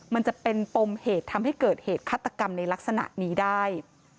มันจะเป็นปมเหตุทำให้เกิดเหตุฆาตกรรมในลักษณะนี้ได้